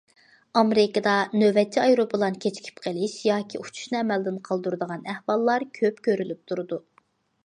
ئامېرىكىدا نۆۋەتچى ئايروپىلان كېچىكىپ قېلىش ياكى ئۇچۇشنى ئەمەلدىن قالدۇرىدىغان ئەھۋاللار كۆپ كۆرۈلۈپ تۇرىدۇ.